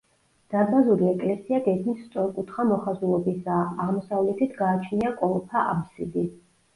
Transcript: დარბაზული ეკლესია გეგმით სწორკუთხა მოხაზულობისაა, აღმოსავლეთით გააჩნია კოლოფა აბსიდი.